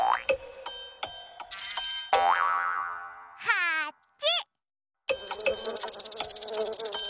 はち！